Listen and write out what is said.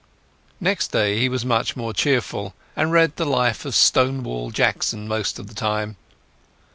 Next day he was much more cheerful, and read the life of Stonewall Jackson much of the time.